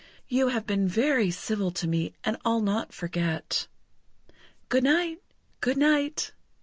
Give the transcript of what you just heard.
"You have been very civil to me, and I'll not forget. Good night! Good night!"